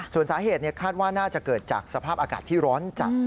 ส่วนสาเหตุคาดว่าน่าจะเกิดจากสภาพอากาศที่ร้อนจัด